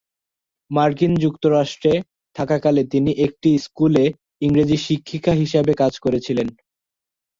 মার্কিন যুক্তরাষ্ট্রে থাকাকালে তিনি একটি স্কুলে ইংরেজি শিক্ষিকা হিসাবে কাজ করেছিলেন।